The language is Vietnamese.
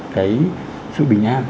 cái sự bình an